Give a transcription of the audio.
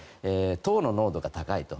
糖の濃度が高いと。